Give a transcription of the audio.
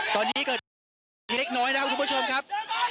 ตอนนี้เกิดเล็กน้อยนะครับคุณผู้ชมครับ